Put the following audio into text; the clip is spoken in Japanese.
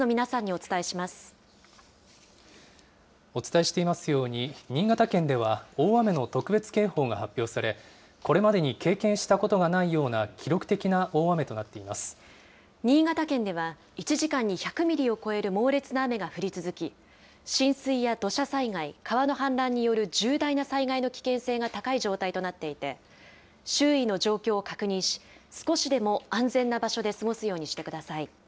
お伝えしていますように、新潟県では大雨の特別警報が発表され、これまでに経験したことがないような記録的な大雨となってい新潟県では、１時間に１００ミリを超える猛烈な雨が降り続き、浸水や土砂災害、川の氾濫による重大な災害の危険性が高い状態となっていて、周囲の状況を確認し、少しでも安全な場所で過ごすようにしてください。